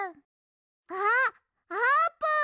あっあーぷん！